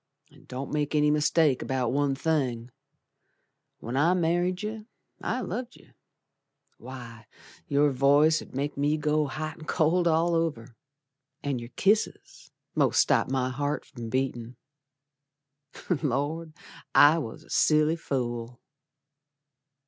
An' don't make any mistake about one thing, When I married yer I loved yer. Why, your voice 'ud make Me go hot and cold all over, An' your kisses most stopped my heart from beatin'. Lord! I was a silly fool.